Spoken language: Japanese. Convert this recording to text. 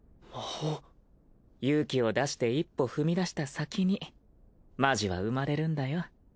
勇気を出して一歩踏み出した先にマジは生まれるんだよ。